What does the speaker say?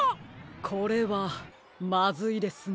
これはまずいですね。